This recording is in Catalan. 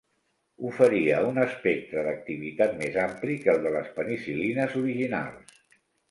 Oferia un espectre d'activitat més ampli que el de les penicil·lines originals.